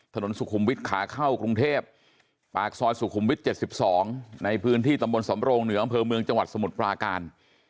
ถนนสุขุมวิทย์ขาเข้ากรุงเทพปากซอยสุขุมวิท๗๒ในพื้นที่ตำบลสำโรงเหนืออำเภอเมืองจังหวัดสมุทรปราการ